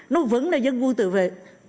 nó vẫn là dân quân tự vệ